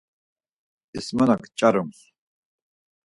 İsmanak ç̌arums.